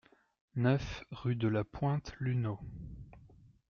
neuf rue de la Pointe Luneau